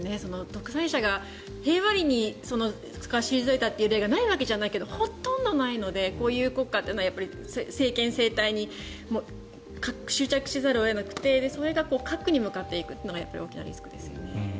独裁者が平和裏にいたという例がないわけじゃないけどほとんどないのでこういう国家というのは政権、政体に執着せざるを得なくてそれを核に向かっていくのが大きなリスクですよね。